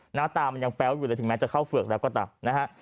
หน้าตามันยังแป๊วอยู่เลยถึงแม้จะเข้าเฝือกแล้วก็ตามนะฮะ